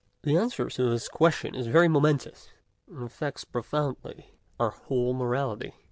The answer to this question is very momentous, and affects profoundly our whole morality.